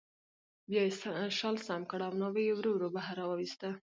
بیا یې شال سم کړ او ناوې یې ورو ورو بهر راوویسته